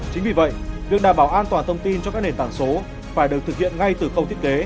chính vì vậy việc đảm bảo an toàn thông tin cho các nền tảng số